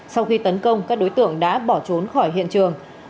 sau khi tấn công các đối tượng đã bỏ trốn khỏi hiện trường